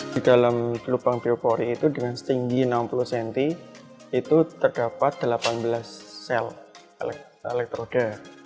di dalam gelubang biopori itu dengan setinggi enam puluh cm itu terdapat delapan belas sel elektroda